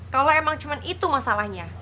kalau emang cuma itu masalahnya